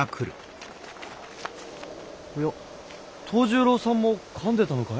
おや桃十郎さんもかんでたのかい？